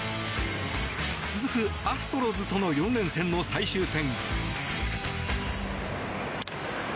続くアストロズとの４連戦の最終戦。